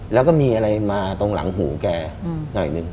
แล้วก็มีอะไรมาตรงหลังหูแกหน่อยหนึ่ง